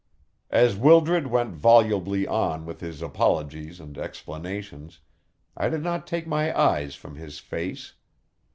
As Wildred went volubly on with his apologies and explanations, I did not take my eyes from his face.